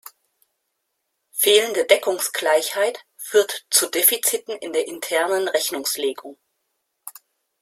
Fehlende Deckungsgleichheit führt zu Defiziten in der internen Rechnungslegung.